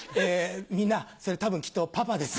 みんなそれ多分きっとパパです。